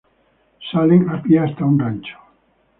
Salen a pie hasta un rancho.